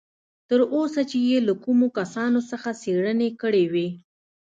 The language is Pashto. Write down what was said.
تر اوسه چې یې له کومو کسانو څخه څېړنې کړې وې.